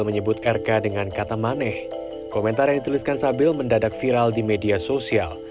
menyebut rk dengan kata maneh komentar yang dituliskan sabil mendadak viral di media sosial